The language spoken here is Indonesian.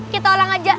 kita orang aja